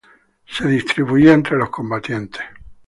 Se distribuía entre los combatientes.